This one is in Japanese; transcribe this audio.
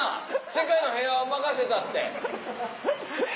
世界の平和は任せたって。